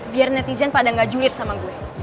biar netizen pada gak julid sama gue